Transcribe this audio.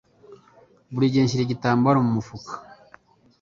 Buri gihe shyira igitambaro mu mufuka.